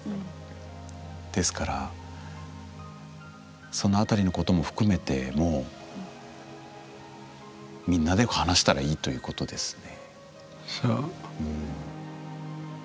ですからその辺りのことも含めてもうみんなで話したらいいということですね。